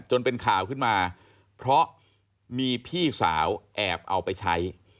จนเป็นข่าวขึ้นมาเพราะมีพี่สาวแอบเอาไปใช้